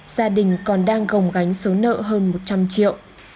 gia đình còn đang gồng gánh số nợ hơn một trăm linh triệu